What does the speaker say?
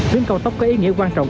tuyến cao tốc có ý nghĩa quan trọng